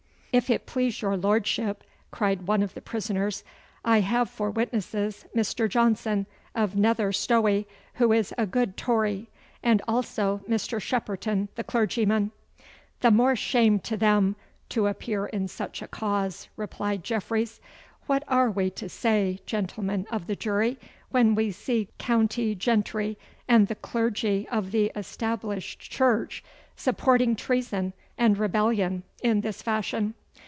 'If it please your Lordship,' cried one of the prisoners, 'I have for witnesses Mr. Johnson, of Nether Stowey, who is a good Tory, and also Mr. Shepperton, the clergyman.' 'The more shame to them to appear in such a cause,' replied Jeffreys. 'What are we to say, gentlemen of the jury, when we see county gentry and the clergy of the Established Church supporting treason and rebellion in this fashion?